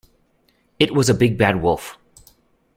It was a big, bad wolf.